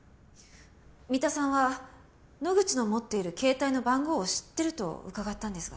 三田さんは野口の持っている携帯の番号を知ってると伺ったんですが。